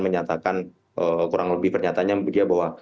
menyatakan kurang lebih pernyatanya dia bahwa